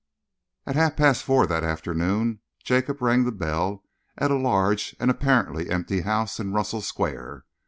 At half past four that afternoon, Jacob rang the bell at a large and apparently empty house in Russell Square.